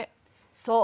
そう。